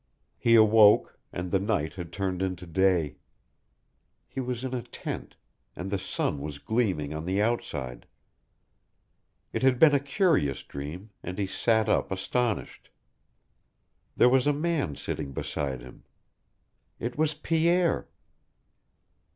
He awoke, and the night had turned into day. He was in a tent, and the sun was gleaming on the outside. It had been a curious dream, and he sat up astonished. There was a man sitting beside him. It was Pierre.